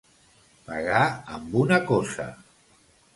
Pagar amb una coça.